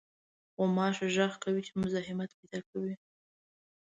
غوماشه غږ کوي چې مزاحمت پېدا کوي.